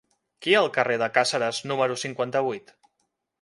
Què hi ha al carrer de Càceres número cinquanta-vuit?